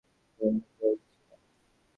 প্রতিবেশীদের সাথে একটু ঝামেলাতে জড়িয়েছিলেন।